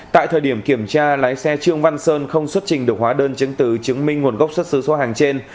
tại thời điểm kiểm tra lái xe trương văn sơn không xuất trình được hóa đơn chứng từ chứng minh nguồn gốc xuất xứ số hàng trên